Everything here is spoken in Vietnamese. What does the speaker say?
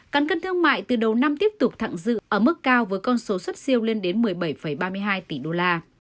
căn cân thương mại từ đầu năm tiếp tục thẳng dự ở mức cao với con số xuất siêu lên đến một mươi bảy ba mươi hai tỷ đô la